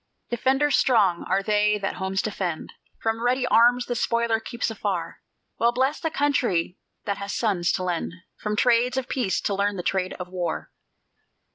Defenders strong are they that homes defend; From ready arms the spoiler keeps afar. Well blest the country that has sons to lend From trades of peace to learn the trade of war.